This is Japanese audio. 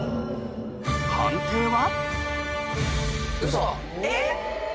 判定は？